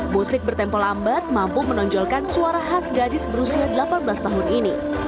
musik bertempo lambat mampu menonjolkan suara khas gadis berusia delapan belas tahun ini